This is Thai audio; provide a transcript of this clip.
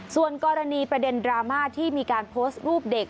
ส่วนกรณีประเด็นดราม่าที่มีการโพสต์รูปเด็ก